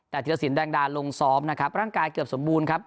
แต่ธิรสินแดงดาลงซ้อมนะครับร่างกายเกือบสมบูรณ์ครับ